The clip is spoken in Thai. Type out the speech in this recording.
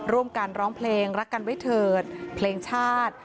ร่วมกันร้องเพลงรักกันไว้เถิดเพลงชาติ